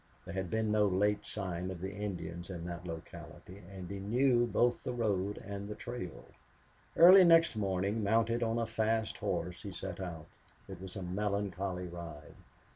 There had been no late sign of the Indians in that locality and he knew both the road and the trail. Early next morning, mounted on a fast horse, he set out. It was a melancholy ride.